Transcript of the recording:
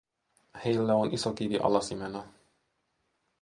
Heillä on iso kivi alasimena.